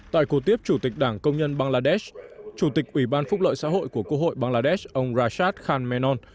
tại cuộc tiếp chủ tịch đảng công nhân bangladesh chủ tịch ủy ban phúc lợi xã hội của quốc hội bangladesh ông rashad khan menon